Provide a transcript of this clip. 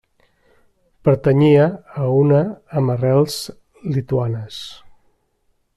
Pertanyia a una amb arrels lituanes.